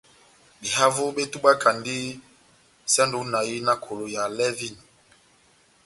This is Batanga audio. Behavo betubwakandi sɔndɛ hú inahi na kolo ya lɛvini.